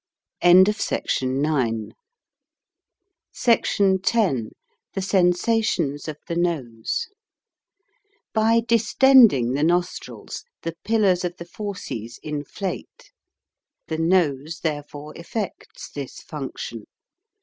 SECTION X THE SENSATIONS OF THE NOSE BY distending the nostrils the pillars of the fauces inflate. The nose therefore effects this function.